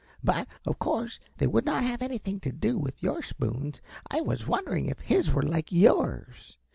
"But, of course, they would not have anything to do with your spoons. I was wondering if his were like yours.